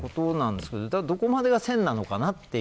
どこまでが線なのかなと。